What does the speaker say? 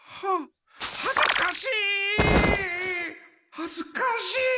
はずかしい！